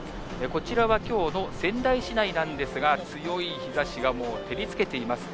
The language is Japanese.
こちらはきょうの仙台市内なんですが、強い日ざしがもう照りつけています。